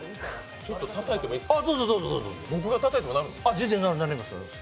ちょっとたたいてもいいですか？